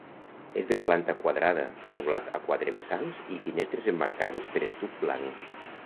És de planta quadrada, teulat a quatre vessants i finestres emmarcades per estuc blanc.